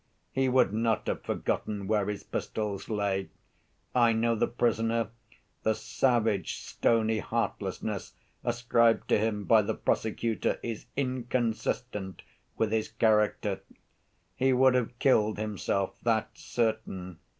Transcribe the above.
he would not have forgotten where his pistols lay! I know the prisoner: the savage, stony heartlessness ascribed to him by the prosecutor is inconsistent with his character. He would have killed himself, that's certain.